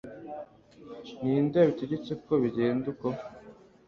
ninde wabitegetse ngo bigende uko